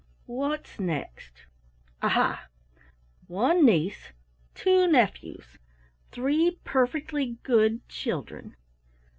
What's next? Aha! One niece, two nephews three perfectly good children."